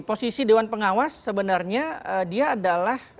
posisi dewan pengawas sebenarnya dia adalah